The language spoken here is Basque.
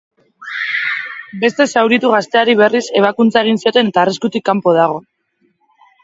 Beste zauritu gazteari, berriz, ebakuntza egin zioten eta arriskutik kanpo dago.